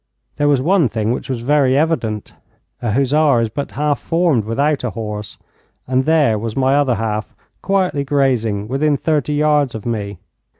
There was one thing which was very evident. A hussar is but half formed without a horse, and there was my other half quietly grazing within thirty yards of me.